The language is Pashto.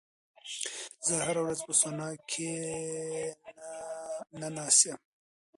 زه هره ورځ په سونا کې نه ناست یم.